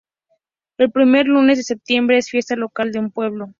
El primer lunes de septiembre es fiesta local en el pueblo.